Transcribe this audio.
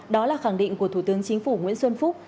đó là khẳng định của thủ tướng chính phủ nguyễn xuân phúc